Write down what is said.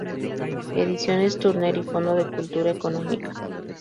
Ediciones Turner y Fondo de Cultura Económica.